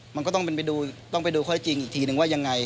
มันก็ต้องไปดูข้อจริงอีกทีนึงว่ายังไง